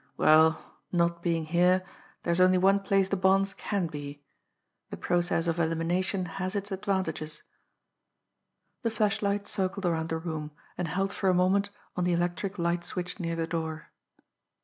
Well, not being here, there's only one place the bonds can be. The process of elimination has its advantages." The flashlight circled around the room, and held for a moment on the electric light switch near the door.